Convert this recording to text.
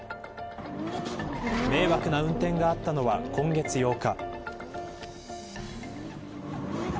迷惑な運転があったのは今月８日。